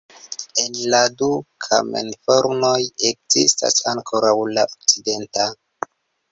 El la du kamenfornoj ekzistas ankoraŭ la okcidenta.